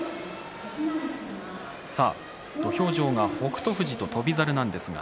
土俵上が北勝富士と翔猿です。